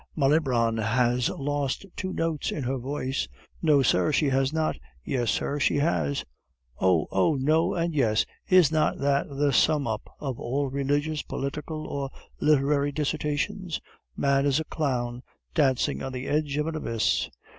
"Malibran has lost two notes in her voice." "No, sir, she has not." "Yes, sir, she has." "Oh, ho! No and yes, is not that the sum up of all religious, political, or literary dissertations? Man is a clown dancing on the edge of an abyss."